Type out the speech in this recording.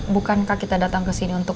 bukankah kita datang kesini untuk